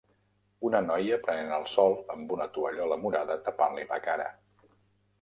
Una noia prenent el sol amb una tovallola morada tapant-li la cara.